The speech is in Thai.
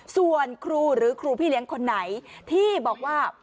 ส่วนครูหรือครูพี่เลี้ยงคนไหนที่บอกว่า